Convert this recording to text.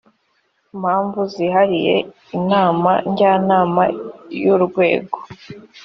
mpamvu zihariye inama njyanama y urwego